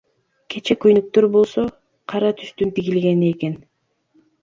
Кече көйнөктөр болсо, кара түстөн тигилген экен.